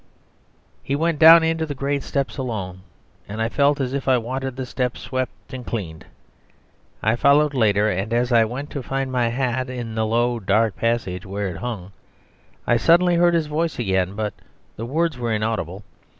He went down the great steps alone, and I felt as if I wanted the steps swept and cleaned. I followed later, and as I went to find my hat in the low, dark passage where it hung, I suddenly heard his voice again, but the words were inaudible.